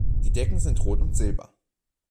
Die Decken sind rot und silber.